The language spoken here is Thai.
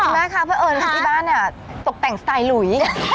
อ๋อนี่นะครับเพราะเอิญครับที่บ้านตกแต่งสไตล์หลุย